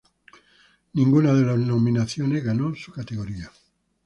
Ninguna de las nominaciones ganó su categoría.